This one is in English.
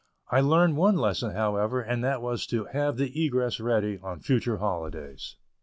I had learned one lesson, however, and that was to have the egress ready on future holidays.